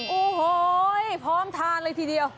โอ้โหพร้อมทานเลยทีเดียว